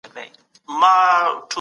د تیمور شاه د ټاکلو لامل څه و؟